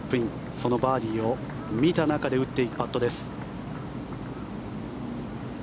そのバーディーを見た中で打っていくパットです。